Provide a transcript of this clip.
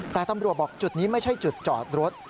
แต่ตำรวจบอกจุดนี้ไม่ใช่จุดจอดรถ